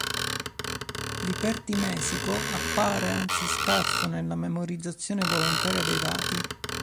L'ipertimesico appare anzi scarso nella memorizzazione volontaria dei dati.